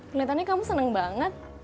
kelitannya kamu seneng banget